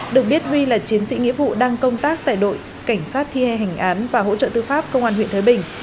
được biết huy là chiến sĩ nghĩa vụ đang công tác tại đội cảnh sát thi hè hành án và hỗ trợ tư pháp công an huyện thới bình